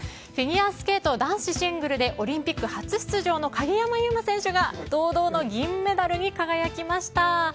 フィギュアスケート男子シングルでオリンピック初出場の鍵山優真選手が堂々の銀メダルに輝きました。